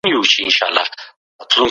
د غالب دیوان په ځانګړي ځای کې وساتل سو.